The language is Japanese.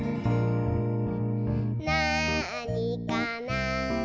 「なあにかな？」